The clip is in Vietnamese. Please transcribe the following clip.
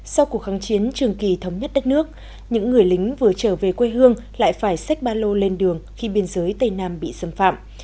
sau cuộc kháng chiến trường kỳ thống nhất đất nước những người lính vừa trở về quê hương lại phải xách ba lô lên đường khi biên giới tây nam bị xâm phạm